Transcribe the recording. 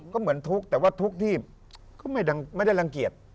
ก็เหมือนทุกข์แต่ว่าทุกข์ที่ก็ไม่ได้รังเกียจ